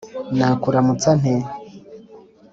nakuramutsa nte? –